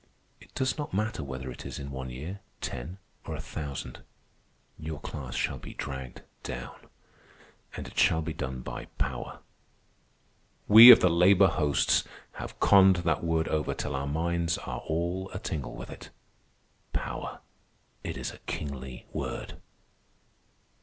It does not matter whether it is in one year, ten, or a thousand—your class shall be dragged down. And it shall be done by power. We of the labor hosts have conned that word over till our minds are all a tingle with it. Power. It is a kingly word."